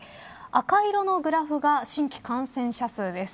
赤色のグラフが新規感染者数です。